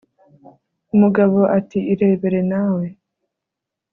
umugabo ati irebere nawe